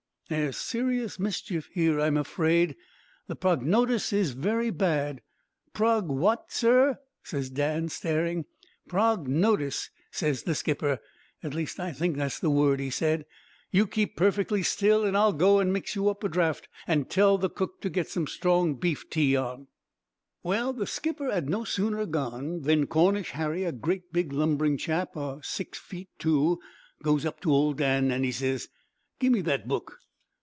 there's serious mischief here, I'm afraid; the prognotice is very bad.' "'Prog what, sir?" ses Dan, staring. "'Prognotice,' ses the skipper, at least I think that's the word he said. 'You keep perfectly still, an' I'll go an' mix you up a draft, and tell the cook to get some strong beef tea on.' "Well, the skipper 'ad no sooner gone, than Cornish Harry, a great big lumbering chap o' six feet two, goes up to old Dan, an' he ses, 'Gimme that book.'